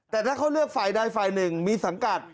แต่ถ้าเขาเลือกฝ่ายใดฝ่ายหนึ่งมีสังกัด